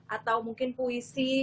atau mungkin puisi